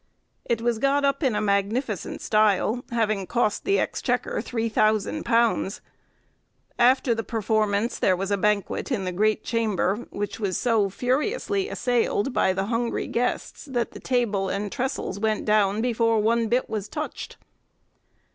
It was got up in a magnificent style, having cost the exchequer £3000. After the performance, there was a banquet in the great chamber, which was so furiously assailed by the hungry guests, that the table and trestles went down before one bit was touched.